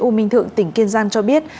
u minh thượng tỉnh kiên giang cho biết